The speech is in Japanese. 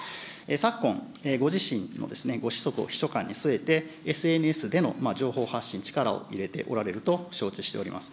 昨今、ご自身のご子息を秘書官に据えて、ＳＮＳでの情報発信、力を入れておられると承知しております。